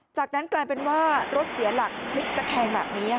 จากนั้นกลายเป็นว่ารถเสียหลักพลิกตะแคงแบบนี้